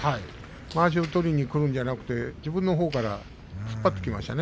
まわしを取りにくるんじゃなくて自分のほうから突っ張っていきましたね。